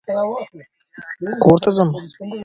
The family owned some farmland as well as a shop in the city.